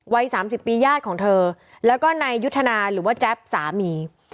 วัย๓๐ปีญาติของเธอแล้วก็นายยุทธนาหรือว่าแจ๊บสามี